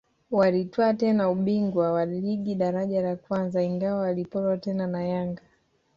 Walitwaa tena ubingwa wa ligi daraja la kwanza ingawa waliporwa tena na Yanga